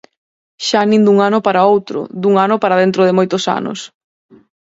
Xa nin dun ano para outro, dun ano para dentro de moitos anos.